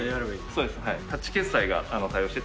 そうですはい。